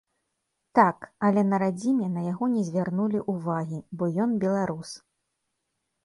Так, але на радзіме на яго не звярнулі ўвагі, бо ён беларус.